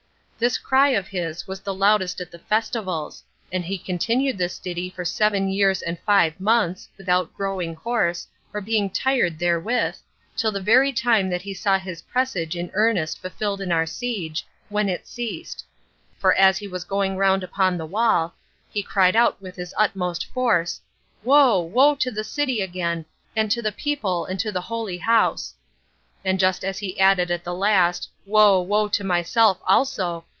This cry of his was the loudest at the festivals; and he continued this ditty for seven years and five months, without growing hoarse, or being tired therewith, until the very time that he saw his presage in earnest fulfilled in our siege, when it ceased; for as he was going round upon the wall, he cried out with his utmost force, "Woe, woe to the city again, and to the people, and to the holy house!" And just as he added at the last, "Woe, woe to myself also!"